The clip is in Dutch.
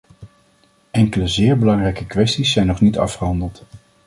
Enkele zeer belangrijke kwesties zijn nog niet afgehandeld.